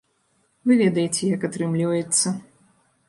Вы ведаеце, як атрымліваецца.